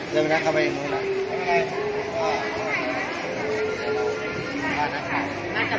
สวัสดีครับพี่เบนสวัสดีครับ